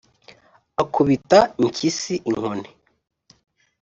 akubita impyisi inkoni